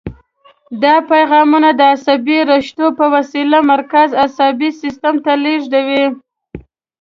دا پیغامونه د عصبي رشتو په وسیله مرکزي اعصابو سیستم ته لېږدوي.